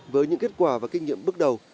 với những kết quả và kinh nghiệm bước đầu